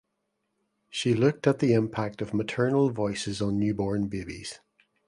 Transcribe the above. She looked at the impact of maternal voices on newborn babies.